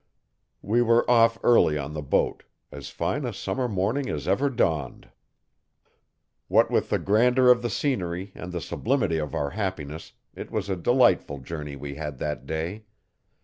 We were off early on the boat as fine a summer morning as ever dawned. What with the grandeur of the scenery and the sublimity of our happiness it was a delightful journey we had that day.